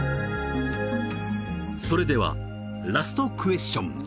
それではラストクエスチョン！